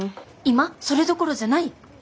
今それどころじゃない。